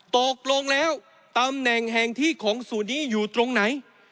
ตกลงแล้วตำแหน่งแห่งที่ของศูนย์นี้อยู่ตรงไหน